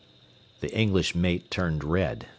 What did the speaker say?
The English mate turned red.